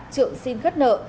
trượng xin khất nợ